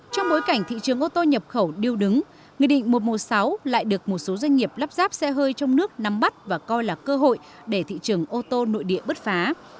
trong bối cảnh thị trường ô tô nhập khẩu điêu đứng người định mùa mùa sáu lại được một số doanh nghiệp lắp ráp xe hơi trong nước nắm bắt và coi là cơ hội để thị trường ô tô nội địa bứt phá